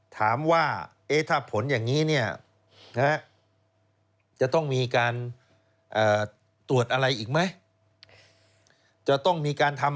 ถามว่าถ้าผลอย่างนี้